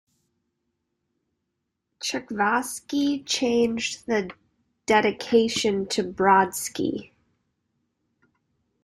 Tchaikovsky changed the dedication to Brodsky.